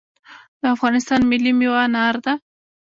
د افغانستان ملي میوه انار ده